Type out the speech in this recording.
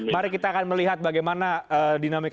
mari kita akan melihat bagaimana dinamika